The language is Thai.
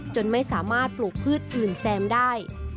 จนไม่สามารถปลูกพืชอื่นแซมได้